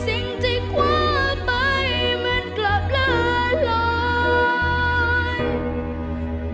สิ่งใจกว้าไปมันกลับเลือดรอย